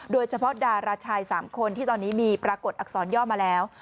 โดยเฉพาะดาราชาย๓คนที่ตอนนี้มีปรากฏอักษรย่อมาแล้ว